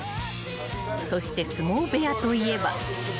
［そして相撲部屋といえば］